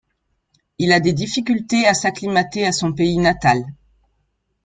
Il a des difficultés à s'acclimater à son pays natal.